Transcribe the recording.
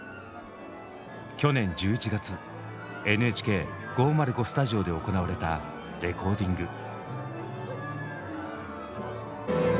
去年１１月ＮＨＫ５０５スタジオで行われたレコーディング。